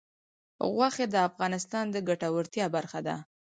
غوښې د افغانانو د ګټورتیا برخه ده.